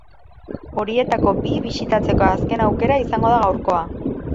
Horietako bi bisitatzeko azken aukera izango da gaurkoa.